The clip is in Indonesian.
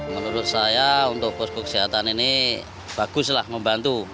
menurut saya untuk posko kesehatan ini baguslah membantu